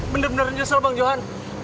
bener bener nyesel bang johan